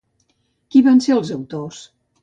Qui van ser els autors?